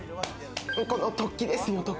この突起ですよ。